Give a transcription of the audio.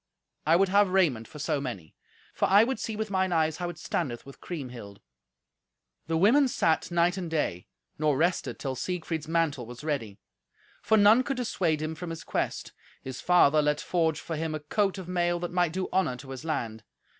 I would have raiment for so many; for I would see with mine eyes how it standeth with Kriemhild." The women sat night and day, nor rested till Siegfried's mantle was ready; for none could dissuade him from his quest. His father let forge for him a coat of mail that might do honour to his land.